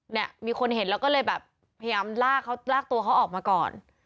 เนี่ยมีคนเห็นแล้วก็เลยแบบพยายามลากเขาลากตัวเขาออกมาก่อน